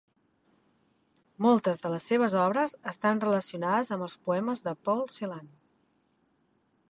Moltes de les seves obres estan relacionades amb els poemes de Paul Celan.